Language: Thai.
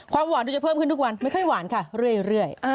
ความหวานที่จะเพิ่มขึ้นทุกวันไม่ค่อยหวานค่ะเรื่อย